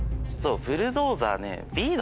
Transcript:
ブルドーザーね。